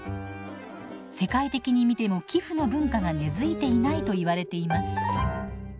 世界的に見ても寄付の文化が根づいていないといわれています。